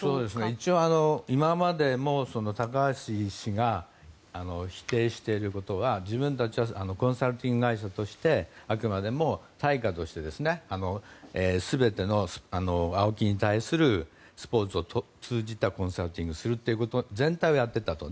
一応、今までも高橋氏が否定していることは、自分たちはコンサルタント会社としてあくまでも対価として全てのＡＯＫＩに対するスポーツを通じたコンサルティングをすること全体をやっていたと。